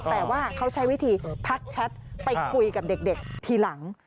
แต่ว่าเขาใช้วิธีทักแชทไปคุยกับเด็กทีหลัง